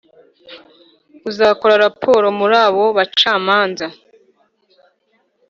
uzakora raporo muri abo bacamanza